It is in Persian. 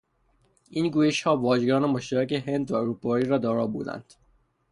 این گویشها واژگان مشترک هند و اروپایی را دارا بودند.